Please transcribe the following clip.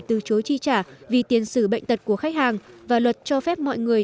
từ chối chi trả vì tiền xử bệnh tật của khách hàng và luật cho phép mọi người